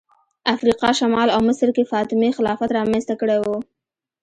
افریقا شمال او مصر کې فاطمي خلافت رامنځته کړی و